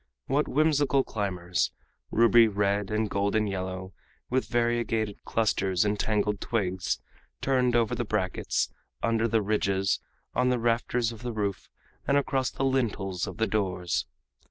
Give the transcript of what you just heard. What whimsical climbers ruby red and golden yellow, with variegated clusters and tangled twigs turned over the brackets, under the ridges, on the rafters of the roof, and across the lintels of the doors!